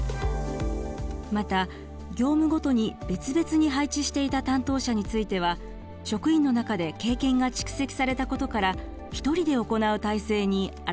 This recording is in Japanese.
また業務ごとに別々に配置していた担当者については職員の中で経験が蓄積されたことから１人で行う態勢に改めました。